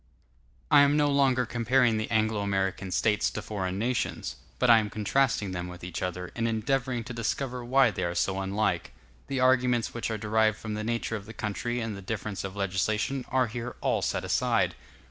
I am no longer comparing the Anglo American States to foreign nations; but I am contrasting them with each other, and endeavoring to discover why they are so unlike. The arguments which are derived from the nature of the country and the difference of legislation are here all set aside.